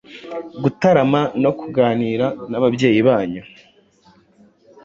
gutarama no kuganira n’ababyeyi banyu,